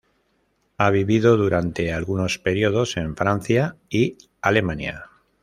Ha vivido durante algunos períodos en Francia y Alemania.